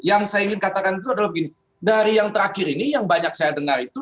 yang saya ingin katakan itu adalah begini dari yang terakhir ini yang banyak saya dengar itu